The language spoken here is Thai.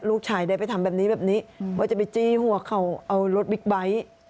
ลูกชายได้ไปทำแบบนี้แบบนี้ว่าจะไปจี้หัวเขาเอารถบิ๊กไบท์